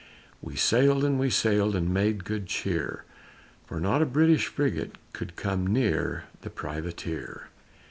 We sailed and we sailed And made good cheer, For not a British frigate Could come near the Privateer.